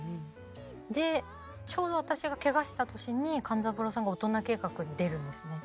でちょうど私がけがした年に勘三郎さんが「大人計画」に出るんですね